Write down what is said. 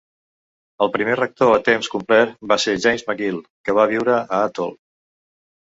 El primer rector a temps complet va ser James Magill, que va viure a Athol.